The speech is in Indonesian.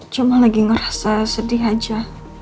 cuma lagi ngerasa sedih aja